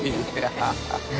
ハハハ